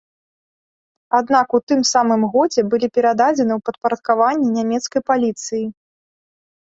Аднак у тым самым годзе былі перададзены ў падпарадкаванне нямецкай паліцыі.